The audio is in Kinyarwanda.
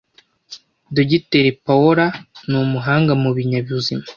Dogiteri Pawola ni umuhanga mu binyabuzima